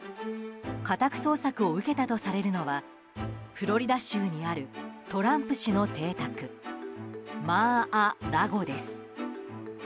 家宅捜索を受けたとされるのはフロリダ州にあるトランプ氏の邸宅マー・ア・ラゴです。